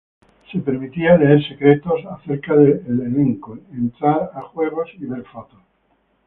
Se permitía leer secretos acerca del elenco, entrar a juegos y ver fotos.